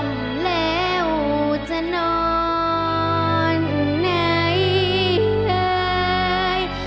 แล้วจะนอนไหน